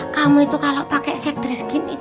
kamu itu kalau pake set dress gini